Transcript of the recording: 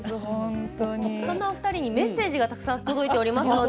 そんなお二人にメッセージがたくさん届いています。